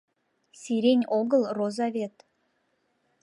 Сирень огыл, роза вет